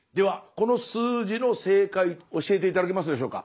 この数字の正解教えて頂けますでしょうか。